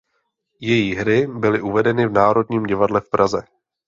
Její hry byly uvedeny v Národním divadle v Praze.